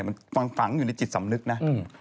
มันฟังฝังอยู่ในจิตสำนึกนะ